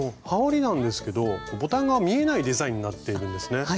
はおりなんですけどボタンが見えないデザインになっているんですね。